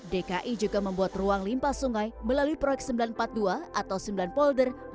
dki juga membuat ruang limpa sungai melalui proyek sembilan ratus empat puluh dua atau sembilan polder